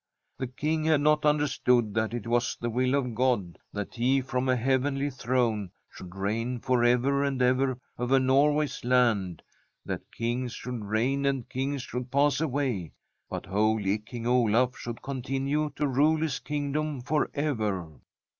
The King had not understood that it was the will of God that he from a heavenly throne should reign forever and ever over Norway's land, that kings should reign and kings should pass away, but holy King Olaf should continue to rule his king dom for ever.